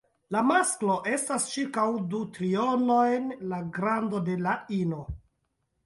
La masklo estas ĉirkaŭ du trionojn la grando de la ino.